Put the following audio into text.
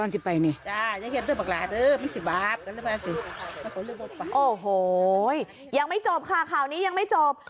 โอ้โหยังไม่จบค่ะข่าวนี้ยังไม่จบ